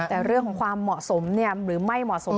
แต่เรื่องของความเหมาะสมหรือไม่เหมาะสม